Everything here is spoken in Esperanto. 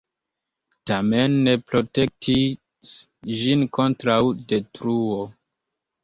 Tamen ne protektis ĝin kontraŭ detruo.